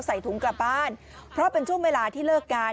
ใส่ถุงกลับบ้านเพราะเป็นช่วงเวลาที่เลิกกัน